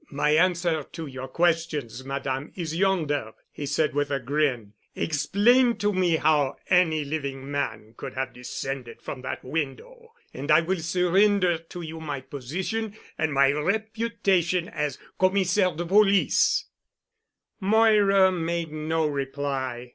"My answer to your questions, Madame, is yonder," he said with a grin. "Explain to me how any living man could have descended from that window and I will surrender to you my position and my reputation as Commissaire de Police." Moira made no reply.